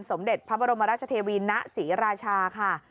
สมเด็จพระบรมราชเทวีณศรีราชาค่ะ